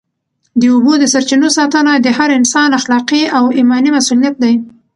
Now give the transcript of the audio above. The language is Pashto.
د اوبو د سرچینو ساتنه د هر انسان اخلاقي او ایماني مسؤلیت دی.